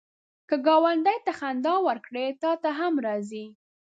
که ګاونډي ته خندا ورکړې، تا ته هم راځي